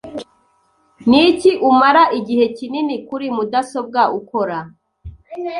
Niki umara igihe kinini kuri mudasobwa ukora?